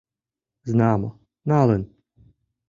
Знамо, налын.